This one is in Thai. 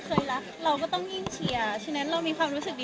เมยังเชียร์ทีมชาติไทยเสมอ